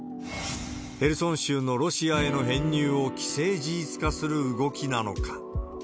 ヘルソン州のロシアへの編入を既成事実化する動きなのか。